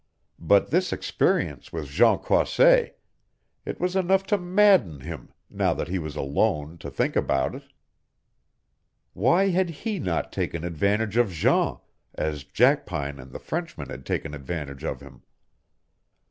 But this experience with Jean Croisset it was enough to madden him, now that he was alone, to think about it. Why had he not taken advantage of Jean, as Jackpine and the Frenchman had taken advantage of him?